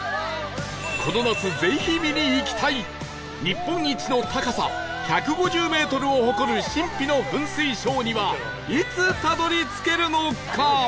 この夏ぜひ見に行きたい日本一の高さ１５０メートルを誇る神秘の噴水ショーにはいつたどり着けるのか？